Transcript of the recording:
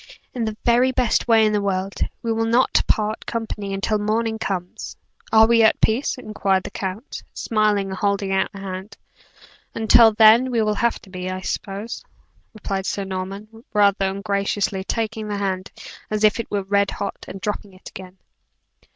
"In the very best way in the world: we will not part company until morning comes, are we at peace?" inquired the count, smiling and holding out but hand. "Until then, we will have to be, I suppose," replied Sir Norman, rather ungraciously taking the hand as if it were red hot, and dropping it again.